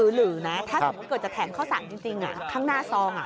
หรือนะถ้าสมมุติเกิดจะแถมข้าวสารจริงข้างหน้าซอง